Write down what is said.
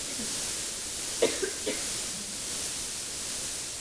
Jižně od zámku stojí jeho bývalé hospodářské a správní budovy.